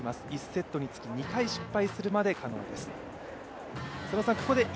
１セットにつき、２回失敗するまで使用することが可能です。